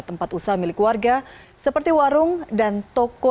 tempat usaha milik warga seperti warung dan toko